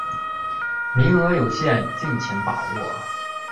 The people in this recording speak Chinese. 名额有限，敬请把握